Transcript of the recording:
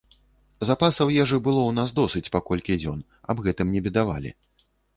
Запасаў ежы было ў нас досыць па колькі дзён, аб гэтым не бедавалі.